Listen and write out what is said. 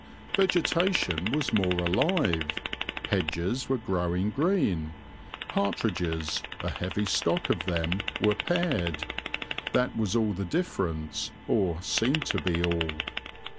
Vegetation was more alive, hedges were growing green, partridges, a heavy stock of them, were paired; that was all the difference, or seemed to be all.